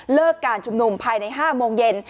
เลิกการจุ่มนุมภายใน๕โมงเย็น